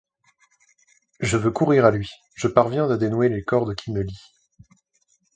Je veux courir à lui, je parviens à dénouer les cordes qui me lient...